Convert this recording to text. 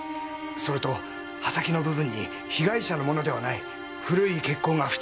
それと刃先の部分に被害者のものではない古い血痕が付着していました。